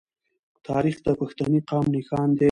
تاریخ د پښتني قام نښان دی.